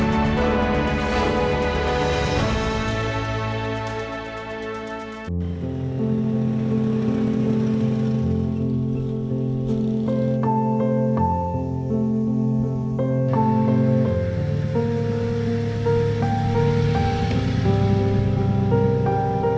kami akan mencoba untuk membangun hidup kita sendiri